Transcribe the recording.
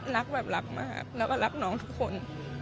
รักแบบรักมากแล้วก็รักน้องทุกคน